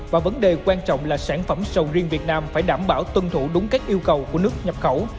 và vấn đề quan trọng là sản phẩm sầu riêng việt nam phải đảm bảo tuân thủ đúng các yêu cầu của nước nhập khẩu